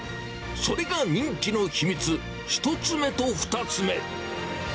それが人気の秘密、１つ目と２つ目。